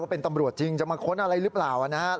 เป็นตำรวจจริงจะมาค้นอะไรหรือเปล่านะครับ